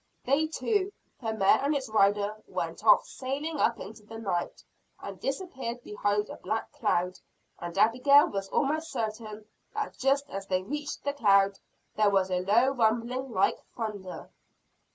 They two the mare and its rider went off sailing up into the sky, and disappeared behind a black cloud. And Abigail was almost certain that just as they reached the cloud, there was a low rumbling like thunder.